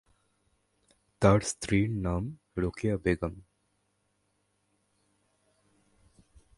তার স্ত্রীর নাম রোকেয়া বেগম।